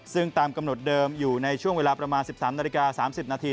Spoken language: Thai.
ซึ่งตามกำหนดเดิมอยู่ในช่วงเวลาประมาณ๑๓นาฬิกา๓๐นาที